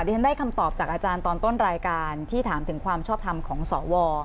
ที่ฉันได้คำตอบจากอาจารย์ตอนต้นรายการที่ถามถึงความชอบทำของสว